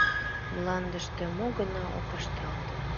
— Мландыште мо гына ок ышталт.